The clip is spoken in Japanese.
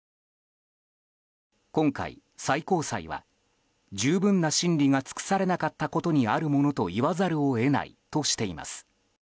今回、最高裁は十分な審理が尽くされなかったことにあるものと言わざるを得ないとしています。